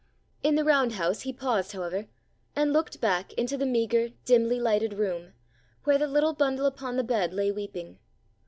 In the round house he paused however, and looked back into the meagre, dimly lighted room, where the little bundle upon the bed lay weeping.